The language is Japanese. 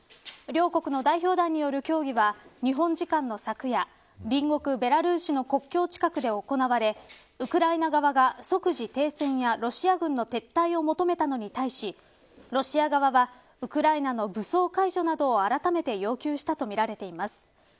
両国の代表団による協議は日本時間の昨夜隣国ベラルーシの国境近くで行われウクライナ側が即時停戦やロシア軍の撤退を求めたのに対しロシア側はウクライナの武装解除などをあらためて要求したとみられています。